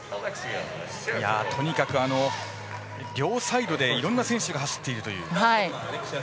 とにかく両サイドでいろんな選手が走っているという。